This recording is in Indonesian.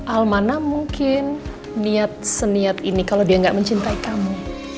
almana mungkin niat seniat ini kalau dia nggak mencintai kamu